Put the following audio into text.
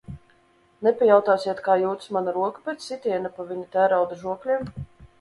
Nepajautāsiet, kā jūtas mana roka pēc sitiena pa viņa tērauda žokļiem?